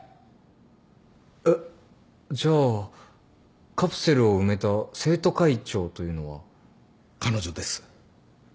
えっじゃあカプセルを埋めた生徒会長というのは。彼女です。